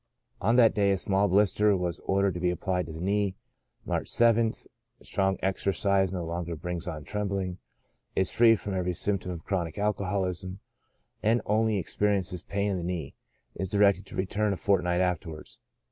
On that day a small blister was ordered to be applied to the knee. March 7th. — Strong exercise no longer brings on trembling ; is free from every symptom of chronic alcoholism, and only experiences pain in the knee. Is directed to return a fortnight afterwards.